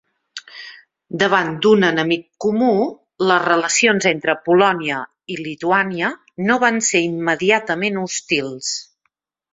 Davant d'un enemic comú, les relacions entre Polònia i Lituània no van ser immediatament hostils.